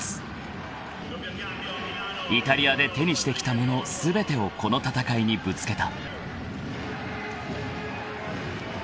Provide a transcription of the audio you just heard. ［イタリアで手にしてきたもの全てをこの戦いにぶつけた］